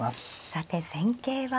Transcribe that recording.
さて戦型は。